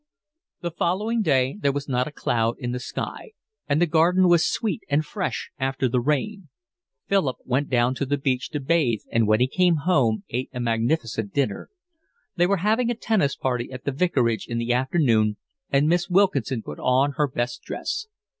The following day there was not a cloud in the sky, and the garden was sweet and fresh after the rain. Philip went down to the beach to bathe and when he came home ate a magnificent dinner. They were having a tennis party at the vicarage in the afternoon and Miss Wilkinson put on her best dress.